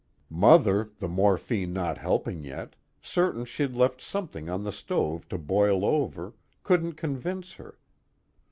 Mother, the morphine not helping yet, certain she'd left something on the stove to boil over, couldn't convince her.